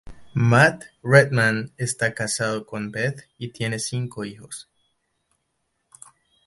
Matt Redman está casado con Beth y tienen cinco hijos.